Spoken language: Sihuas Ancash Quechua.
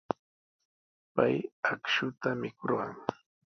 Pay akshuta mikurqan.